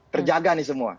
terjaga nih semua